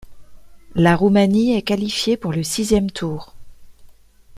La Roumanie est qualifiée pour le sixième tour.